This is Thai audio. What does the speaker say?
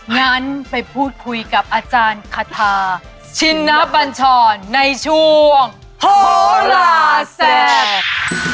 งั้นไปพูดคุยกับอาจารย์คาทาชินบัญชรในช่วงโหลาแซ่บ